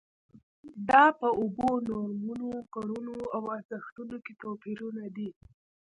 دا په اوبو، نورمونو، کړنو او ارزښتونو کې توپیرونه دي.